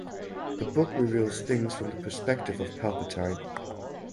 The book reveals things from the perspective of Palpatine.